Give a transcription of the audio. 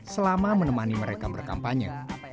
selama menemani mereka berkampanye